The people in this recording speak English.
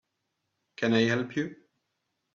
Can I help you?